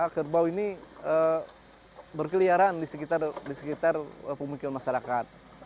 kerbau ini berkeliaran di sekitar pemikiran masyarakat